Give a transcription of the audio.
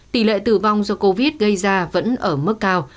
tỷ lệ tử vong do covid gây ra vẫn ở mức cao